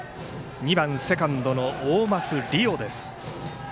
２番、セカンドの大舛凌央です。